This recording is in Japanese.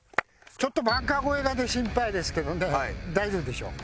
ちょっとバンカー越えだけ心配ですけどね大丈夫でしょう。